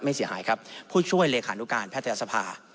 เสียหายครับผู้ช่วยเลขานุการแพทยศภา